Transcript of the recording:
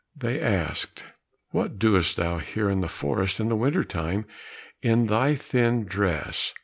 They asked, "What dost thou here in the forest in the winter time, in thy thin dress?"